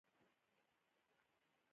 د پخوانۍ خپې په شان بله خپه پرېوځي.